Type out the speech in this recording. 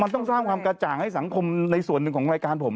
มันต้องสร้างความกระจ่างให้สังคมในส่วนหนึ่งของรายการผม